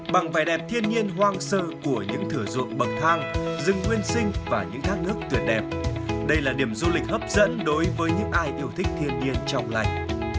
bằng vẻ đẹp thiên nhiên hoang sơ của những thửa ruộng bậc thang rừng nguyên sinh và những thác nước tuyệt đẹp đây là điểm du lịch hấp dẫn đối với những ai yêu thích thiên nhiên trong lành